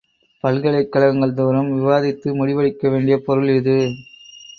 பல்கலைக் கழகங்கள் தோறும் விவாதித்து முடிவெடுக்க வேண்டிய பொருள் இது.